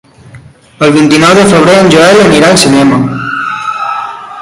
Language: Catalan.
El vint-i-nou de febrer en Joel anirà al cinema.